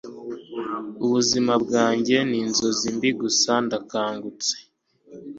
ubuzima bwanjye ninzozi mbi, gusa ndakangutse